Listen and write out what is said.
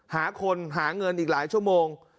หาคนหาเงินอีกหลายชั่วโมง